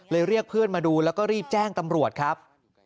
เรียกเพื่อนมาดูแล้วก็รีบแจ้งตำรวจครับ